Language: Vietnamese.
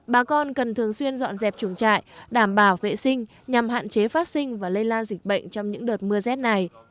bà con cần thường xuyên dọn dẹp chuồng trại đảm bảo vệ sinh nhằm hạn chế phát sinh và lây lan dịch bệnh trong những đợt mưa rét này